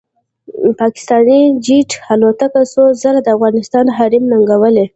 پاکستاني جېټ الوتکو څو ځله د افغانستان حریم ننګولی